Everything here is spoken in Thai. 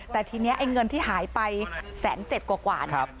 แต่ทีนี้ไอ้เงินที่หายไปแสนเจ็ดกว่ากว่าน